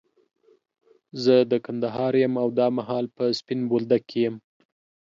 زه د کندهار يم، او دا مهال په سپين بولدک کي يم.